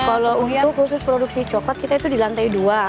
kalau untuk khusus produksi coklat kita itu di lantai dua